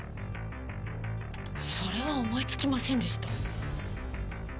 それは思いつきませんでした。